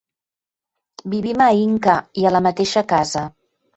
Vivim a Inca i a la mateixa casa.